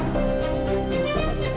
kamu disini dewi